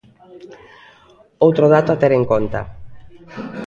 Outro dato a ter en conta.